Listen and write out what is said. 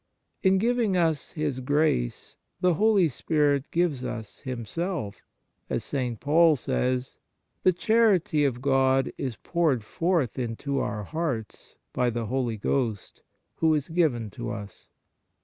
In giving us His grace the Holy Spirit gives us Himself, as St. Paul says: The charity of God is poured forth into our hearts by the Holy Ghost, who is given to us."